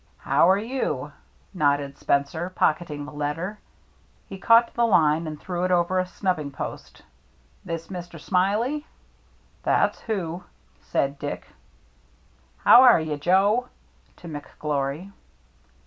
" How are you ?nodded Spencer, pocket ing the letter. He caught the line and 98 THE MERRT ANNE threw it over a snubbing post. "This Mr. Smiley ?"" That's who," said Dick. " How are you, Joe ?" to McGlory.